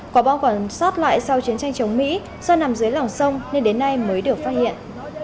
quả bom còn sót lại sau chiến tranh chống mỹ do nằm dưới lòng sông nên đến nay mới được phát hiện